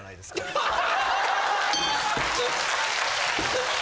アハハハ！